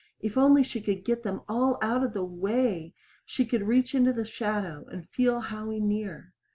If only she could get them all out of the way she could reach into the shadow and feel Howie near!